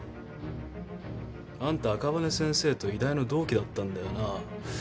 あんた赤羽先生と医大の同期だったんだよな？